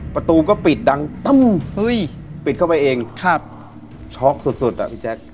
ประตูก็ปิดดังตั้มปิดเข้าไปเองช็อคสุดอ่ะพี่แจ๊ค